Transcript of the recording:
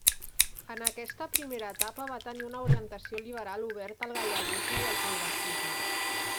En aquesta primera etapa va tenir una orientació liberal oberta al galleguisme i al progressisme.